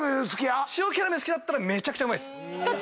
塩キャラメル好きだったらめちゃくちゃうまいっす。